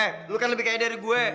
eh lu kan lebih kayak dari gue